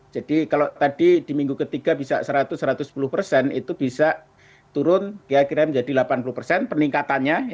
jadi kalau tadi di minggu ketiga bisa seratus satu ratus sepuluh persen itu bisa turun kira kira menjadi delapan puluh persen peningkatannya